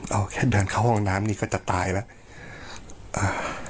เอาแค่เดินเข้าห้องน้ำนี่ก็จะตายแล้วอ่า